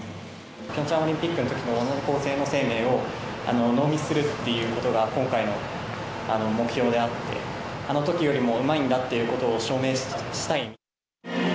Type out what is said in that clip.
ピョンチャンオリンピックのときと同じ構成のＳＥＩＭＥＩをノーミスするっていうことが、今回の目標であって、あのときよりもうまいんだっていうことを証明したい。